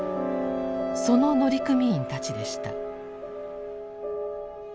その乗組員たちでした。